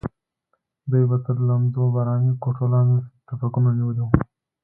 دوی به تر لندو باراني کوټو لاندې ټوپکونه نیولي وو.